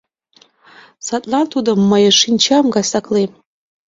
Садлан тудым мые шинчам гай саклем!